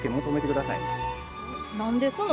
何ですの？